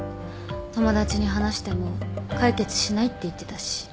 友達に話しても解決しないって言ってたし。